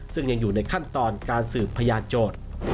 ซึ่งยังอยู่ในขั้นตอนการสืบพยานโจทย์